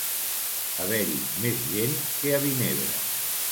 Haver-hi més gent que a Vinebre.